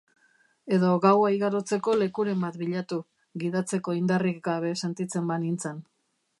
Edo gaua igarotzeko lekuren bat bilatu, gidatzeko indarrik gabe sentitzen banintzen.